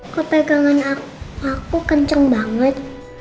kok pegangan aku kenceng banget